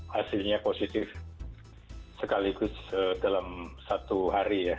hasilnya positif sekaligus dalam satu hari ya